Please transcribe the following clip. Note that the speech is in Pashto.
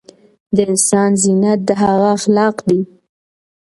د انسان زينت د هغه اخلاق دي